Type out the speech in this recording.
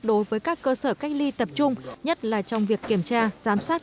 đối với các cơ sở cách ly tập trung nhất là trong việc kiểm tra giám sát